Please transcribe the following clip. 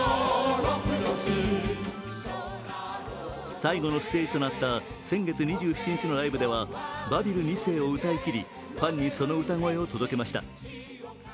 最後のステージとなった先月２７日のライブでは「バビル２世」を歌い切り、ファンにその歌声を届けました。